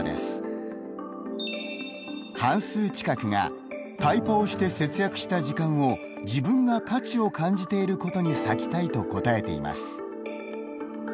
半数近くがタイパをして節約した時間を自分が価値を感じていることに割きたいと答えています。